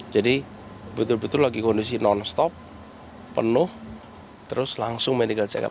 jadi betul betul lagi kondisi non stop penuh terus langsung medical check up